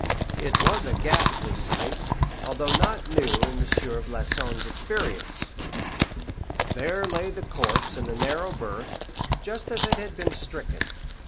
It was a ghastly sight, although not new in M. Floçon's experience. There lay the corpse in the narrow berth, just as it had been stricken.